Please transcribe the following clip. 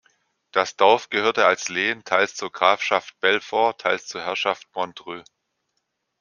Das Dorf gehörte als Lehen teils zur Grafschaft Belfort, teils zur Herrschaft Montreux.